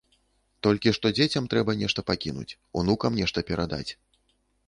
Толькі што дзецям трэба нешта пакінуць, унукам нешта перадаць!